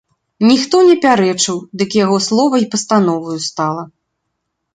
Ніхто не пярэчыў, дык яго слова й пастановаю стала.